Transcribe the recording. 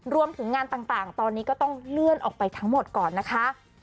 รวมถึงงานต่างตอนนี้ก็ต้องเลื่อนออกไปทั้งหมดก่อนนะคะ